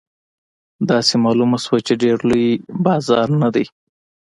داسې معلومه شوه چې ډېر لوی بازار نه دی.